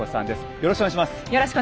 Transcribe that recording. よろしくお願いします。